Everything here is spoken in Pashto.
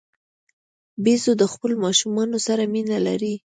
بیزو د خپلو ماشومانو سره مینه لري.